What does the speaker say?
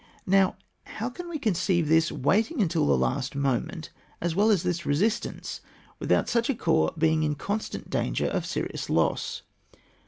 Now how can we conceive this waiting until the last moment, as well as this resistance, without such a corps being in constant danger of serious loss